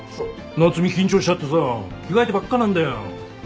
夏海緊張しちゃってさ着替えてばっかなんだよ。